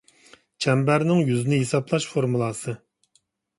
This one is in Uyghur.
چەمبەرنىڭ يۈزىنى ھېسابلاش فورمۇلاسى